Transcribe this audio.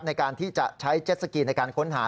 ในการที่จะใช้เจ็ดสกีในการค้นหา